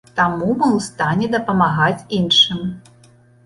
Таму мы ў стане дапамагаць іншым.